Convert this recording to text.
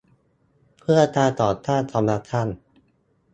เพื่อการต่อต้านคอร์รัปชั่น